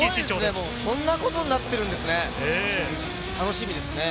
もう、そんなことになってるんですね。楽しみですね。